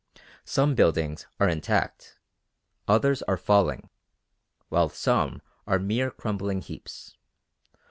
Some buildings are intact; others are falling; while some are mere crumbling heaps.